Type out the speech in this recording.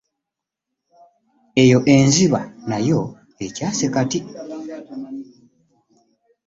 Eyo enziba nayo ekyase kati.